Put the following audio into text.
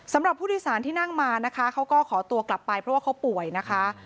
สำหรับผู้โดยสารที่นั่งมานะคะเขาก็ขอตัวกลับไปเพราะว่าเขาป่วยนะคะ